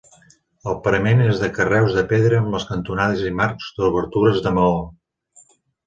El parament és de carreus de pedra amb les cantonades i marcs d'obertures de maó.